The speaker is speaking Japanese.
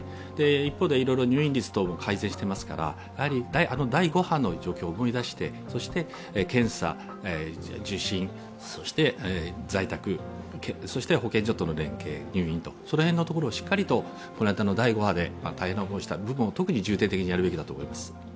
一方で、入院率等も改善していますから、第５波の状況を思い出して、検査、受診、在宅、保健所との連携、入院とその辺のところをしっかりと第５波で苦労したところを特に重点的にやるべきだと思います。